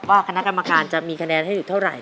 ว่าคณะกรรมการจะมีคะแนนให้อยู่เท่าไหร